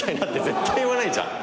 絶対言わないじゃん。